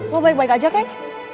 lo baik baik aja kan